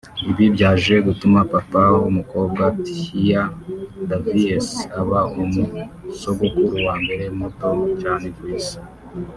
Ibi byaje gutuma papa w’umukobwa Tia Davies aba umu sogokuru wa mbere muto cyane ku isi